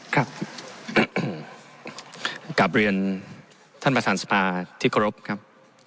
ครับกราบเรียนท่านประธานสปาธิกรพครับ